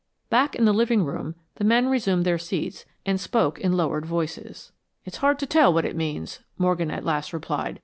Back in the living room, the men resumed their seats, and spoke in lowered voices. "It's hard to tell what it means," Morgan at last replied.